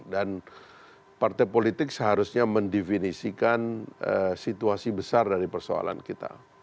dan partai politik seharusnya mendefinisikan situasi besar dari persoalan kita